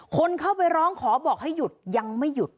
คนเข้าไปร้องขอบอกให้หยุดยังไม่หยุด